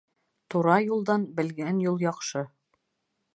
Тура юлдан белгән юл яҡшы.